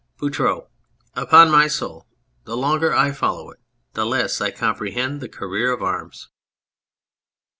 BOUTROUX. Upon my soul, the longer I follow it, the less I compi'ehend the career of arms